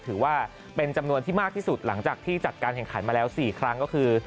ถือว่าเป็นจำนวนที่มากที่สุดหลังจากที่จัดการแข่งขันมาแล้ว๔ครั้งก็คือ